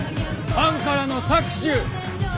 ファンからの搾取。